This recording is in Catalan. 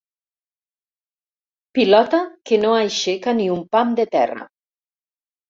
Pilota que no aixeca ni un pam de terra.